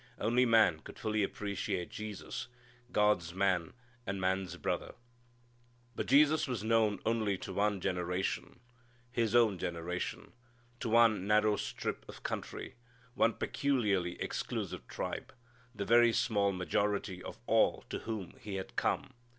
Only man could fully appreciate Jesus, God's Man, and man's Brother. But Jesus was known only to one generation His own generation to one narrow strip of country, one peculiarly exclusive tribe, the very small majority of all to whom He had come.